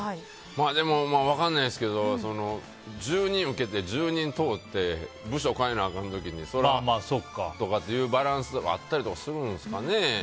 でも分かんないですけど１０人受けて１０人通って部署変えなあかん時にというバランスはあったりするんですかね。